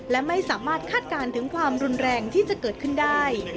และไม่สามารถคาดการณ์ถึงความรุนแรงที่จะเกิดขึ้นได้